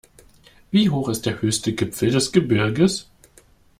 Wie hoch ist der höchste Gipfel des Gebirges?